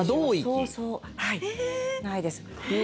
そうそういないです。